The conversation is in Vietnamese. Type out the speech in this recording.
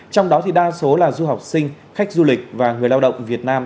trong đó đa số là du học sinh khách du lịch và người lao động việt nam